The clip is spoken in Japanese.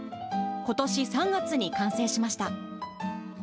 ことし３月に完成しました。